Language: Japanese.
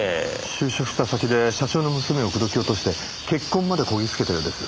就職した先で社長の娘を口説き落として結婚まで漕ぎ着けたようです。